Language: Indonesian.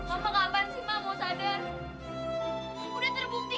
oke kalau gitu